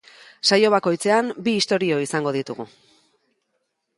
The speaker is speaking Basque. Saio bakoitzean bi istorio izango ditugu.